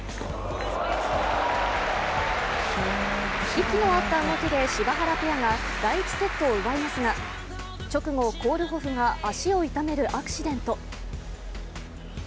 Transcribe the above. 息の合った動きで柴原ペアが第１セットを奪いますが直後、コールホフが足を傷めるアクシデント。